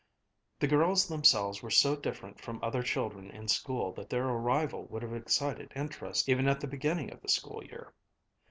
The girls themselves were so different from other children in school that their arrival would have excited interest even at the beginning of the school year.